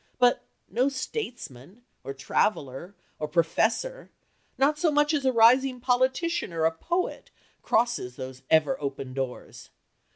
But no statesman, or traveller, or professor, not so much as a rising politician or a poet, crosses those ever open doors.